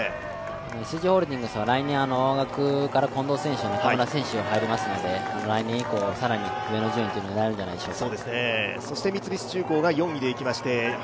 ＳＧホールディングスは来年、青学から近藤選手、原選手が入りますので、来年以降は上の順位が狙えるんじゃないでしょうか？